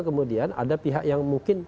kemudian ada pihak yang mungkin